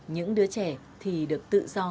những đứa trẻ thì được tự do